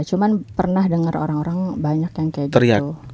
cuman pernah denger orang orang banyak yang kayak gitu